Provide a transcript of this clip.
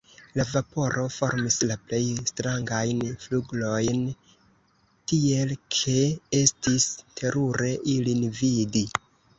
La vaporo formis la plej strangajn flgurojn, tiel ke estis terure ilin vidi.